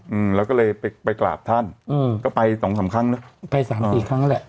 อืมแล้วก็เลยไปไปกราบท่านอืมก็ไปสองสามครั้งนะไปสามสี่ครั้งแล้วแหละ